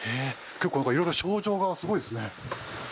結構いろいろ賞状がすごいですね。